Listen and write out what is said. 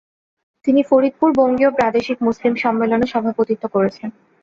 তিনি ফরিদপুর বঙ্গীয় প্রাদেশিক মুসলিম সম্মেলনে সভাপতিত্ব করেছেন।